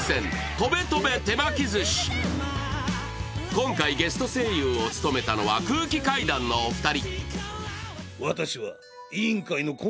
今回、ゲスト声優を務めたのは空気階段のお二人。